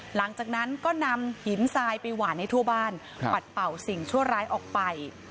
หลังจากนั้นก็นำหินทรายไปหวานให้ทั่วบ้านปัดเป่าสิ่งชั่วร้ายออกไป